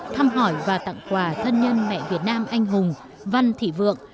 thăm hỏi và tặng quà thân nhân mẹ việt nam anh hùng văn thị vượng